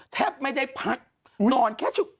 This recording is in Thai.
แทบไม่ได้พักนอนแค่ชุด